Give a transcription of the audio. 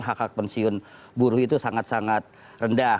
hak hak pensiun buruh itu sangat sangat rendah